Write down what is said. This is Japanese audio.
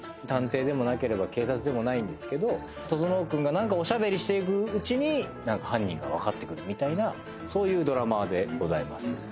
探偵でもなければ警察でもないんですけど整君が何かおしゃべりしていくうちに犯人が分かってくるみたいなそういうドラマでございます。